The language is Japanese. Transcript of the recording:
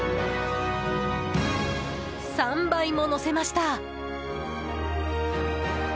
３杯ものせました！